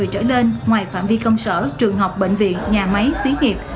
công sở trường học bệnh viện nhà máy xí nghiệp